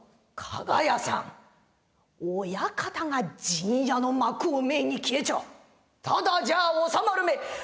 「加賀屋さん親方が陣屋の幕を前に消えちゃただじゃ収まるめえ」。